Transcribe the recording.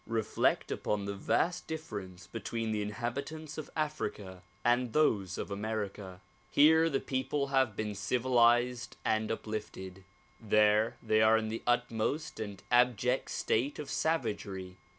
Reflect upon the vast difference between the inhabitants of Africa and those of America. Here the people have been civilized and uplifted ; there they are in the utmost and abject state of savagery.